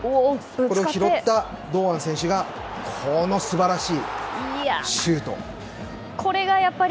これを拾った堂安選手がこの素晴らしいシュート。